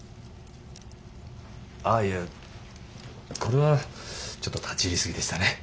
あいやこれはちょっと立ち入り過ぎでしたね。